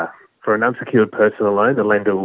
untuk pinjaman pribadi yang tidak diharuskan